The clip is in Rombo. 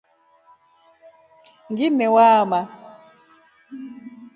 Ngine waama.